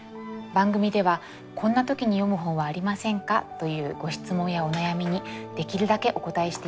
番組では「こんな時に読む本はありませんか？」というご質問やお悩みにできるだけお答えしていきたいと思います。